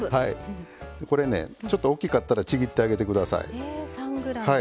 これねちょっとおっきかったらちぎってあげて下さい。